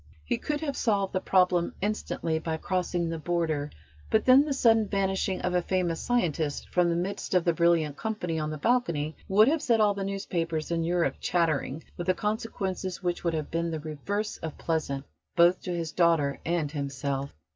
He could have solved the problem instantly by crossing the Border, but then the sudden vanishing of a famous scientist from the midst of the brilliant company on the balcony would have set all the newspapers in Europe chattering, with consequences which would have been the reverse of pleasant both to his daughter and himself.